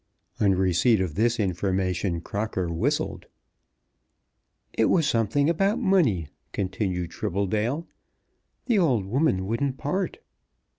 On receipt of this information Crocker whistled. "It was something about money," continued Tribbledale. "The old woman wouldn't part."